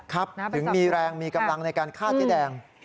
ถึงมีแรงมีกำลังในการฆ่าเจ๊แดง